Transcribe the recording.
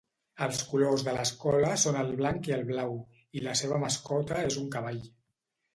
Els colors de l'escola són el blanc i el blau, i la seva mascota és un cavall.